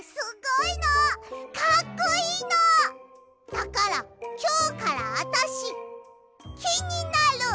だからきょうからあたしきになる！